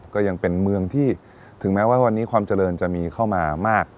ก็ยังเป็นเมืองที่ถึงแม้ว่าวันนี้ความเจริญจะมีเข้ามามาก